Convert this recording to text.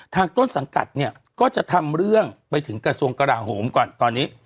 ต้นสังกัดเนี่ยก็จะทำเรื่องไปถึงกระทรวงกราโหมก่อนตอนนี้